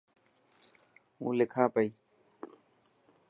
هو لکان پئي.